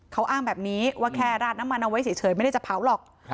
เขาอ้างแบบนี้ว่าแค่ราดน้ำมันเอาไว้เฉยไม่ได้จะเผาหรอก